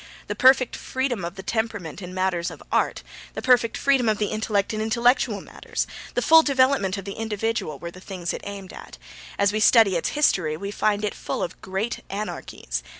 The perfect freedom of the temperament in matters of art, the perfect freedom of the intellect in intellectual matters, the full development of the individual, were the things it aimed at. As we study its history we find it full of great anarchies.